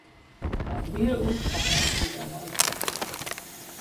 تنبیه او کاملا سزاوار بود.